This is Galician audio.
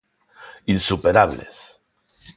Insuperables!